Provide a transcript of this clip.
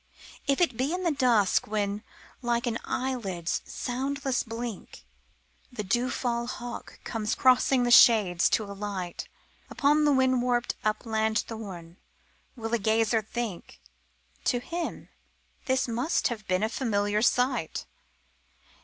If it be in the dusk when, like an eyelid's soundless blink, The dewfall hawk comes crossing the shades to alight Upon the wind warped upland thorn, will a gazer think: "To him this must have been a familiar sight"?